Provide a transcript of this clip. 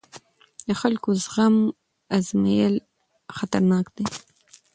د خلکو زغم ازمېیل خطرناک دی